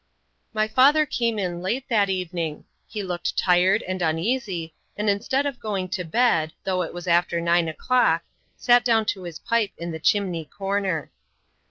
My father came in late that evening; he looked tired and uneasy, and instead of going to bed, though it was after nine o'clock, sat down to his pipe in the chimney corner.